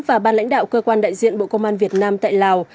và ban lãnh đạo cơ quan đại diện bộ công an việt nam tại lào